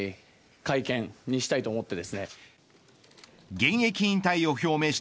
現役引退を表明した